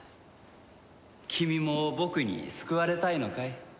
君も僕に救われたいのかい？